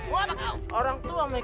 wah orang tua mereka tak peduli